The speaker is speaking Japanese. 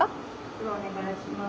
袋お願いします。